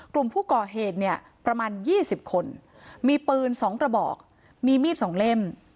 กลุ่มผู้ก่อเหตุเนี่ยประมาณ๒๐คนมีปืน๒กระบอกมีมีด๒เล่ม